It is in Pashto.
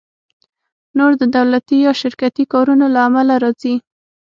نور د دولتي یا شرکتي کارونو له امله راځي